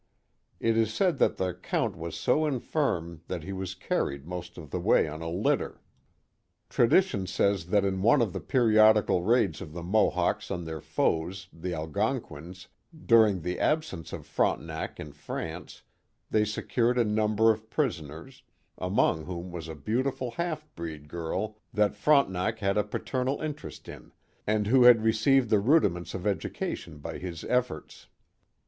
It is said that the Count was so infirm that he was carried most of the way on a litter. loo The Mohawk Valley Tradition says that in one of the periodical raids of the Mohawks on their foes, the Algonquins, during the absence of Frontenac in France, they secured a number of prisoners, among whom was a beautiful half breed girl that Frontenac had a paternal interest in, and who had received the rudiments of education by his efforts.